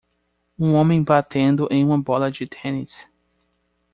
Um homem batendo em uma bola de tênis.